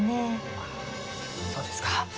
あそうですか。